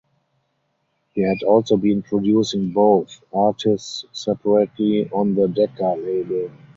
He had also been producing both artists separately on the Decca label.